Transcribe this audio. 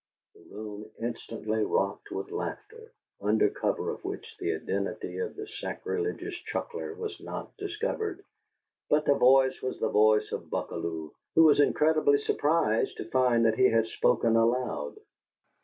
'" The room instantly rocked with laughter, under cover of which the identity of the sacrilegious chuckler was not discovered, but the voice was the voice of Buckalew, who was incredibly surprised to find that he had spoken aloud.